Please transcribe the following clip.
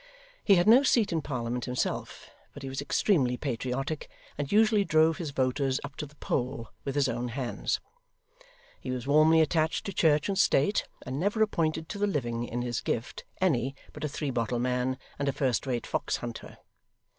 He had no seat in Parliament himself, but he was extremely patriotic, and usually drove his voters up to the poll with his own hands. He was warmly attached to church and state, and never appointed to the living in his gift any but a three bottle man and a first rate fox hunter.